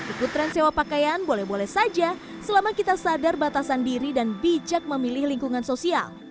ikut tren sewa pakaian boleh boleh saja selama kita sadar batasan diri dan bijak memilih lingkungan sosial